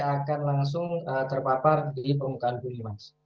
akan langsung terpapar di permukaan bumi mas